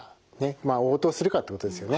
まあ応答するかってことですよね。